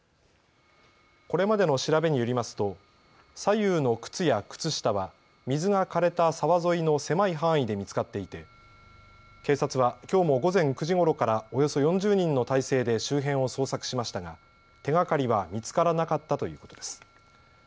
これまでの調べによりますと左右の靴や靴下は水がかれた沢沿いの狭い範囲で見つかっていて警察はきょうも午前９時ごろからおよそ４０人の態勢で周辺を捜索しましたが手がかりは見つからなかったということです。